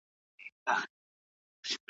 که موږ خپله ژبه وساتو، نو کلتور به محفوظ وي.